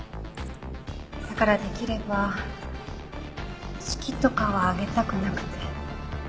だからできれば式とかは挙げたくなくて。